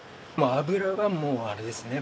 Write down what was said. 脂はもうあれですね